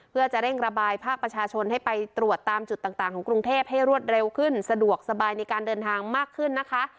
เพื่อจะเร่งระบายภาคประชาชนให้ไปตรวจตามจุดต่างของกรุงเทพให้รวดเร็วขึ้นสะดวกสบายในการเดินทางมากขึ้นนะคะ